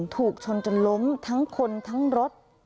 ถูกชนจนล้มทั้งคนทั้งรถ